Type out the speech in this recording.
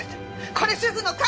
これ主婦の勘！